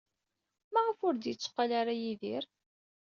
Maɣef ur d-yetteqqal ara Yidir?